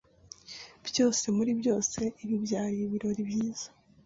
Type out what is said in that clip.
Byose muri byose, ibi byari ibirori byiza.